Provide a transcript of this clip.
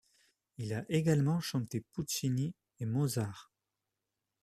Elle a également chanté Puccini et Mozart.